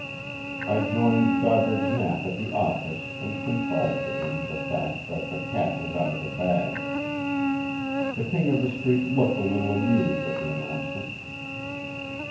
I joined Doddridge Knapp at the office and confided to him the fact that the cat was out of the bag. The King of the Street looked a little amused at the announcement.